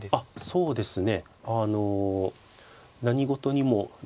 そうですね。